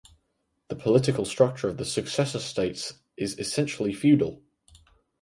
The political structure of the Successor States is essentially feudal.